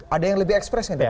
ada yang lebih ekspres mungkin